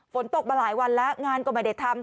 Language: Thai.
ฝนตกมาหลายวันแล้วงานก็ไม่ได้ทำ